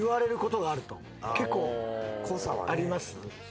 結構あります？